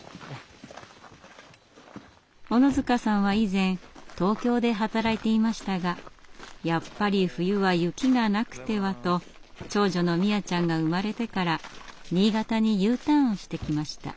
小野塚さんは以前東京で働いていましたがやっぱり冬は雪がなくてはと長女の実椰ちゃんが生まれてから新潟にＵターンしてきました。